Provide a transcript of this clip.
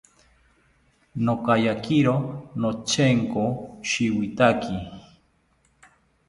Nokayakiro notyenko shiwithaki